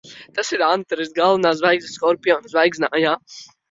Tas ir Antaress. Galvenā zvaigzne Skorpiona zvaigznājā.